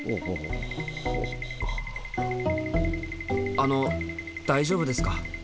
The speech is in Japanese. あの大丈夫ですか？